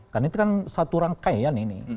kan itu kan satu rangkaian ini